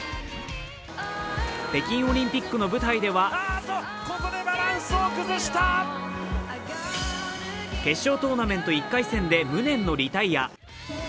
北京オリンピックの舞台では決勝トーナメント１回戦で無念のリタイア。